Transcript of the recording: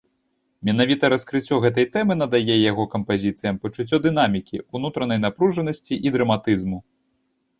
Менавіта раскрыццё гэтай тэмы надае яго кампазіцыям пачуццё дынамікі, унутранай напружанасці і драматызму.